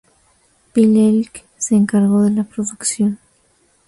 Phil Ek se encargó de la producción.